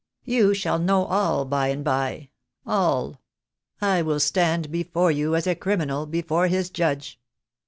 "You shall know all by and by; all. I will stand be fore you as a criminal before his judge.